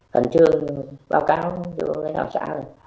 phần trương báo cáo giữa đạo xã